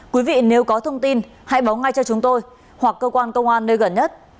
quý vị nếu có thông tin hãy báo ngay cho chúng tôi hoặc cơ quan công an nơi gần nhất